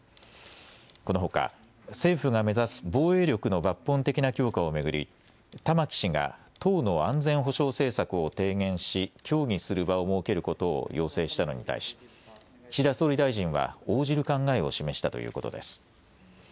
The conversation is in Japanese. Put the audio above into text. このほか政府が目指す防衛力の抜本的な強化を巡り玉木氏が党の安全保障政策を提言し協議する場を設けることを要請したのに対し岸田総理大臣は応じる考えを示したということです。